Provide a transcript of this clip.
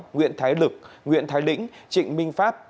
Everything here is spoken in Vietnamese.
nguyễn thái lực nguyễn thái lĩnh trịnh minh pháp